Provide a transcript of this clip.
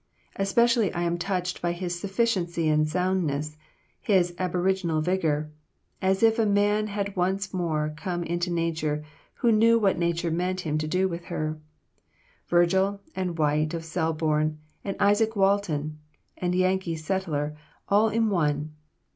Especially am I touched by his sufficiency and soundness, his aboriginal vigor, as if a man had once more come into Nature who knew what Nature meant him to do with her, Virgil, and White of Selborne, and Izaak Walton, and Yankee settler all in one.